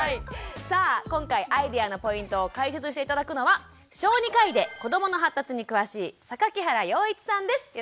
さあ今回アイデアのポイントを解説して頂くのは小児科医で子どもの発達に詳しい榊原洋一さんです。